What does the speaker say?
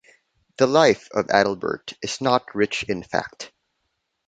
The "Life" of Adalbert is not rich in fact.